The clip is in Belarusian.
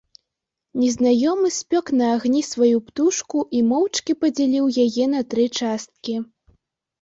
Незнаёмы спёк на агні сваю птушку і моўчкі падзяліў яе на тры часткі.